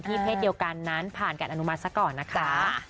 เพศเดียวกันนั้นผ่านการอนุมัติซะก่อนนะคะ